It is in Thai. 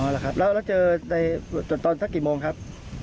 อ๋อแล้วเราเจอในตอนสักกี่โมงครับ